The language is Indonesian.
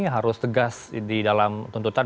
harus tegas di dalam tuntutan